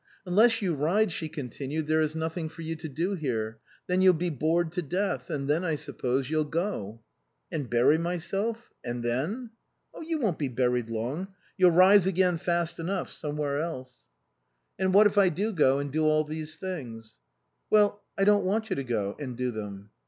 " Unless you ride," she continued, " there is nothing for you to do here. Then you'll be bored to death; and then, I suppose, you'll go?" " And bury myself ? And then ?"" You won't be buried long. You'll rise again fast enough, somewhere else." 69 THE COSMOPOLITAN " And what if I do go and do all these things ?"" Well, I don't want you to go and do them."